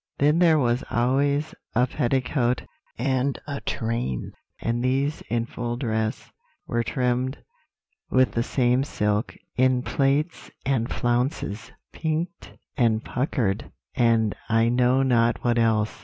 Then there was always a petticoat and a train; and these, in full dress, were trimmed with the same silk in plaits and flounces, pinked and puckered, and I know not what else.